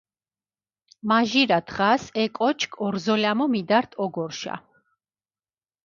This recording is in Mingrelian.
მაჟირა დღას ე კოჩქჷ ორზოლამო მიდართჷ ოგორჷშა.